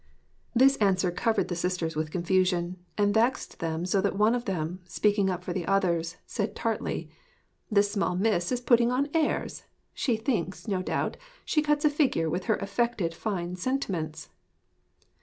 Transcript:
This answer covered the sisters with confusion, and vexed them so that one of them, speaking up for the others, said tartly: 'This small miss is putting on airs. She thinks, no doubt, she cuts a figure with her affected fine sentiments!'